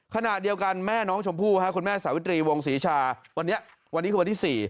ขณะเดียวกันแม่น้องชมพู่คุณแม่สาวิตรีวงศรีชาวันนี้วันนี้คือวันที่๔